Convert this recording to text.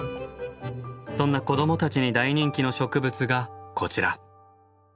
そんな子どもたちに大人気の植物がこちら。